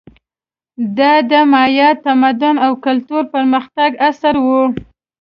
دا د مایا تمدن او کلتور پرمختګ عصر و.